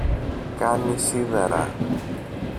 Κάνει σίδερα.